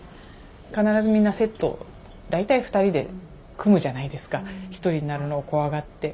必ずみんなセット大体２人で組むじゃないですか一人になるのを怖がって。